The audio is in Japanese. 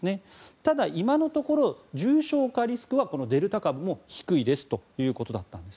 ただ、今のところ重症化リスクはデルタ株も低いですということだったんです。